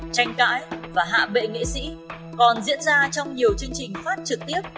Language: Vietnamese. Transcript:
tranh cãi và hạ bệ nghệ sĩ còn diễn ra trong nhiều chương trình phát trực tiếp